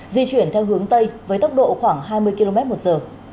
di chuyển theo hướng tây với tốc độ khoảng hai mươi km một giờ